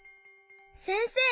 せんせい！